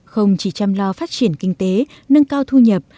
không chỉ chăm lo phát triển kinh tế nâng cao thu nhập